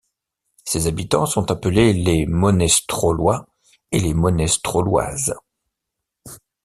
Ses habitants sont appelés les Monestrolois et les Monestroloises.